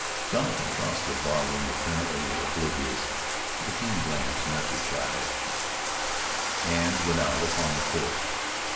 Jonathan crossed the bar room apparently oblivious to the keen glance Metzar shot at him, and went out upon the porch.